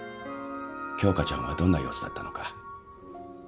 鏡花ちゃんはどんな様子だったのか。